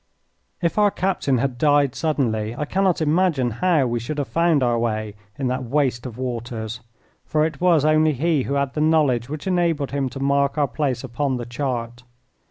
If our captain had died suddenly I cannot imagine how we should have found our way in that waste of waters, for it was only he who had the knowledge which enabled him to mark our place upon the chart.